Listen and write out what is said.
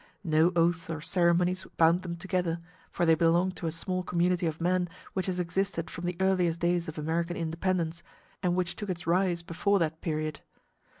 No oaths or ceremonies bound them together, for they belonged to a small community of men which has existed from the earliest days of American independence, and which took its rise before that period.